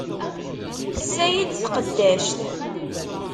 Tessa-yi-d tqeddact.